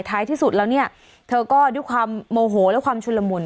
ท้ายที่สุดแล้วเนี่ยเธอก็ด้วยความโมโหและความชุนละมุน